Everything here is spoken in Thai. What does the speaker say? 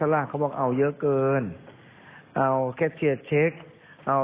วันนั้นอิตรีกรก็โทษหา